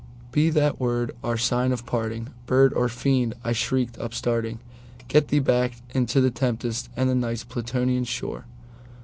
"Be that word our sign of parting, bird or fiend!" I shrieked, upstarting:"Get thee back into the tempest and the Night's Plutonian shore!